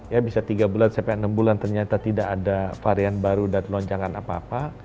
ya bisa tiga bulan sampai enam bulan ternyata tidak ada varian baru dan lonjangan apa apa